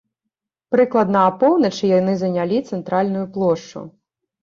Прыкладна апоўначы яны занялі цэнтральную плошчу.